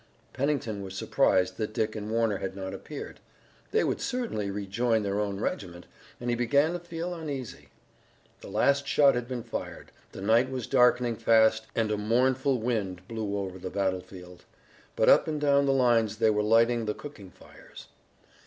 Pennington was surprised that Dick and Warner had not appeared. They would certainly rejoin their own regiment, and he began to feel uneasy. The last shot had been fired, the night was darkening fast and a mournful wind blew over the battlefield. But up and down the lines they were lighting the cooking fires.